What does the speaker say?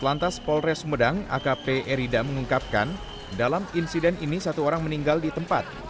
lantas polres sumedang akp erida mengungkapkan dalam insiden ini satu orang meninggal di tempat